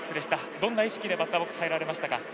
どんな意識でバッターボックス入られましたか？